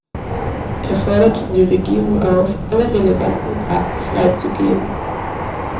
Er forderte die Regierung auf, alle relevanten Daten freizugeben.